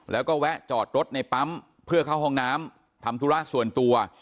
แล้วก็แวะจอดรถในปั๊มเพื่อเข้าห้องน้ำทำธุระส่วนตัว